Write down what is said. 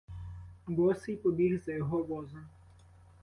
Босий побіг за його возом.